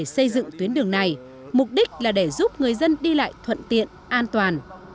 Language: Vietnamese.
xây dựng tuyến đường này mục đích là để giúp người dân đi lại thuận tiện an toàn